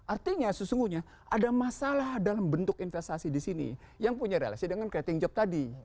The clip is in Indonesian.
artinya sesungguhnya ada masalah dalam bentuk investasi di sini yang punya relasi dengan creating job tadi